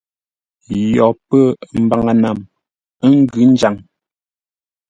Yo pə̂ mbaŋə-nam, ə́ ngʉ̌ njaŋ.